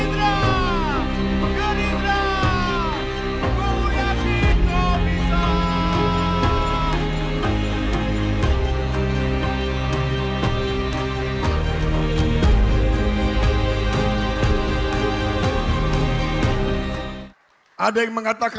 tampaklah sekarang tergerak